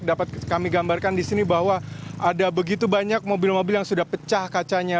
dapat kami gambarkan di sini bahwa ada begitu banyak mobil mobil yang sudah pecah kacanya